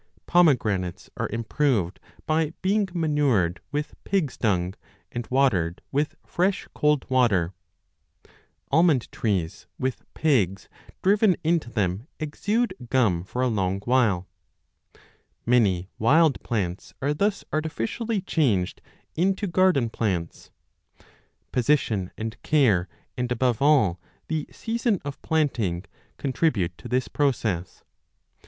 Pomegranates are improved by being manured with pigs dung and watered with fresh cold water. Almond trees with pegs driven into them exude gum for a long while. Many wild plants are thus 4 o artificially changed into garden plants. Position and care, 8ai b and, above all, the season of planting, contribute to this process.